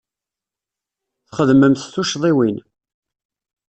Txedmemt tuccḍiwin.